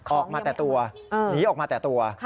ออกมาแต่ตัวหนีออกมาแต่ตัว